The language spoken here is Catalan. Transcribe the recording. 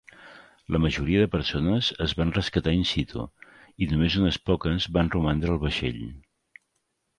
La majoria de persones es van rescatar in situ i només unes poques van romandre al vaixell.